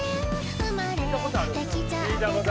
「生まれてきちゃってごめん」